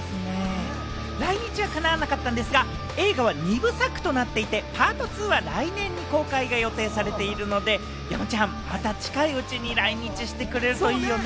来日は叶わなかったんですが、映画は２部作となっていて、『ＰＡＲＴＴＷＯ』は来年に公開が予定されているので、山ちゃん、また近いうちに来日してくれるといいよね。